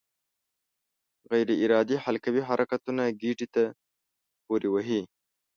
غیر ارادي حلقوي حرکتونه ګېډې ته پورې وهي.